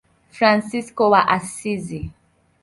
Fransisko wa Asizi.